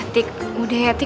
tik udah ya tik